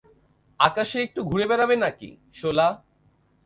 আকাশে একটু ঘুরে বেড়াবে নাকি, শোলা?